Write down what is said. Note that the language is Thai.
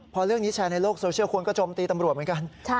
พอเรื่องนี้แชร์ในโลกโซเชียลคนก็จมตีตำรวจเหมือนกัน